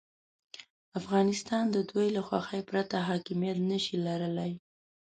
افغانستان د دوی له خوښې پرته حاکمیت نه شي لرلای.